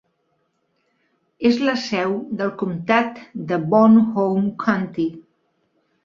És la seu del comtat de Bon Homme County.